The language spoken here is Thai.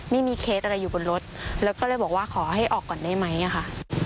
เคสอะไรอยู่บนรถแล้วก็เลยบอกว่าขอให้ออกก่อนได้ไหมค่ะ